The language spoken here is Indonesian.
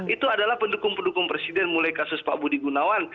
itu adalah pendukung pendukung presiden mulai kasus pak budi gunawan